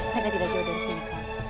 mereka tidak jauh dari sini kak